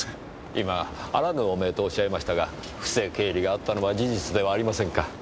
今あらぬ汚名とおっしゃいましたが不正経理があったのは事実ではありませんか。